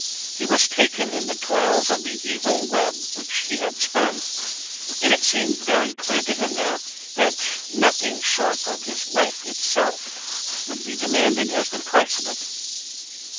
He was taken in the toils of the evil web which he had spun; and it seemed very clear to him now that nothing short of his life itself would be demanded as the price of it.